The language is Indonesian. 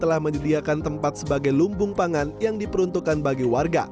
kampung tangguh ini juga menjadi tempat sebagai lumbung pangan yang diperuntukkan bagi warga